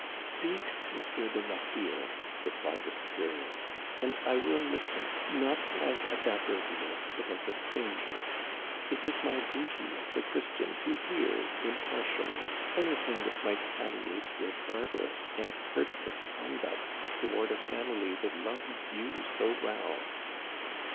Speak, M. de Lochiel," replied the superior, "and I will listen, not as a D'Haberville but as a stranger. It is my duty as a Christian to hear impartially anything that might palliate your barbarous and heartless con duct toward a family that loved you so well."